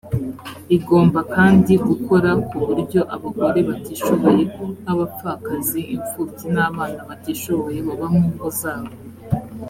igomba kandi gukora ku buryo abagore batishoboye nk abapfakazi imfubyi n abana batishoboye baba mu ngo zabo